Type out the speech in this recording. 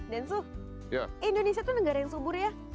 densu indonesia tuh negara yang subur ya